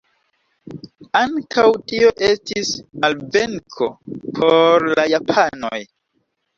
Ankaŭ tio estis malvenko por la japanoj.